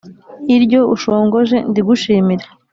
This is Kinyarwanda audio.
iryo ushongoje ndigushimire,